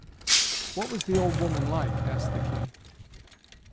"What was the old woman like?" asked the King.